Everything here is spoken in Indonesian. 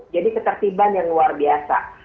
jadi ketertiban yang luar biasa